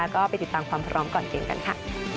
ก็ไปติดตามความพร้อมก่อนเกมกันค่ะ